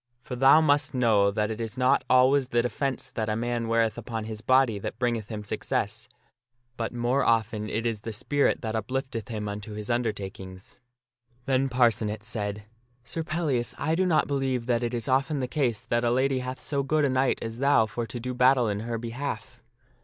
For thou must know that it is not always the defence that a man weareth upon his body THEY COME TO ARROY 209 that bringeth him success, but more often it is the spirit that uplifteth him unto his undertakings." Then Parcenet said, " Sir Pellias, I do not believe that it is often the case that a lady hath so good a knight as thou for to do battle in her behalf."